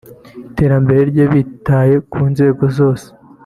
iterambere rye bitaye ku nzego zose